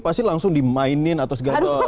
pasti langsung dimainin atau segala